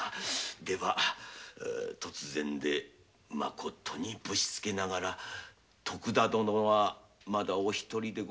突然でまことにぶしつけながら徳田殿はまだお一人で？